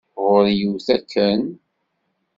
Ɣur-i yiwet akken.